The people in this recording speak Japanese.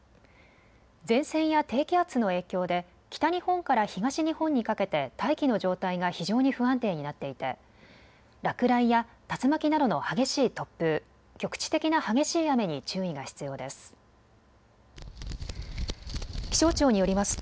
前線や低気圧の影響で北日本から東日本にかけて大気の状態が非常に不安定になっていて落雷や竜巻などの激しい突風、局地的な激しい雨に注意が必要です。